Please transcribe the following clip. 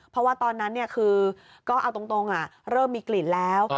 เพราะว่าตอนนั้นคือก็เอาตรงเริ่มมีกลิ่นแล้ว